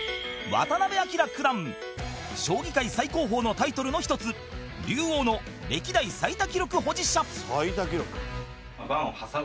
将棋界最高峰のタイトルの一つ竜王の歴代最多記録保持者